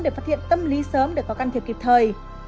để phát hiện tâm lý sớm để có can thiệp kịp thời